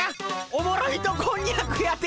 おもろ糸こんにゃくやて！